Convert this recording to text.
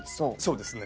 そうですね。